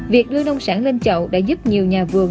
việc đưa nông sản lên chậu đã giúp nhiều nhà vườn